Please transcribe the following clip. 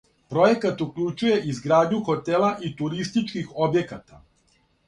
Пројекат укључује изградњу хотела и туристичких објеката.